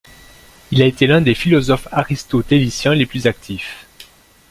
Il a été l'un des philosophes aristotéliciens les plus actifs.